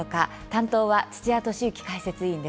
担当は土屋敏之解説委員です。